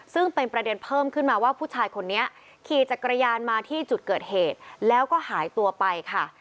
ซึ่งเป็นประเด็นเพิ่มขึ้นมาว่าผู้ชายคนนี้ขี่จักรยานมาที่จุดเกิดเหตุแล้วก็หายตัวไปค่ะ